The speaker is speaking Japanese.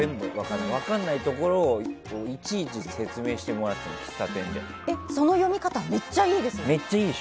分からないところいちいち説明してもらったのその読み方めっちゃいいですね。